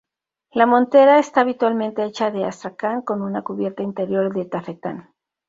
La montera está habitualmente hecha de astracán con una cubierta interior de tafetán.